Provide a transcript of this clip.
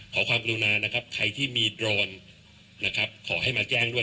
ขอความกรุณานะครับใครที่มีโดรนนะครับขอให้มาแจ้งด้วย